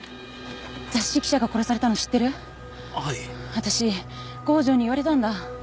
私郷城に言われたんだ。